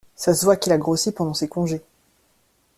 ça se voit qu'il a grossi pendant ses congés.